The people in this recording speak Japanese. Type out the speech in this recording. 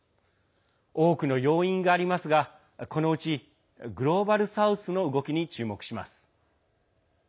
多くの要因がありますがこのうちグローバル・サウスの動きに注目します。